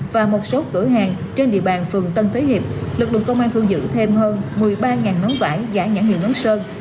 và một số cửa hàng trên địa bàn phường tân thế hiệp lực lượng công an thương dự thêm hơn một mươi ba nón vải giá nhãn hiệu nón sơn